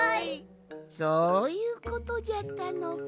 そういうことじゃったのか。